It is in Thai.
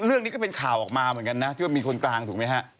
เรื่องนี้ก็เป็นข่าวออกมาเหมือนกันนะที่ว่ามีคนกลางถูกไหมฮะ